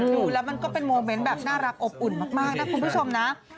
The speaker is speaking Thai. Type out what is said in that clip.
ดูแล้วมันก็เป็นโมเมนต์แบบน่ารักอบอุ่นมากนะคุณผู้ชมนะ